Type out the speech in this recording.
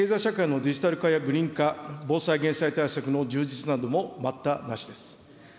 また人への投資、経済投資のデジタル化やグリーン化、防災・減災対策の充実なども待ったなしです。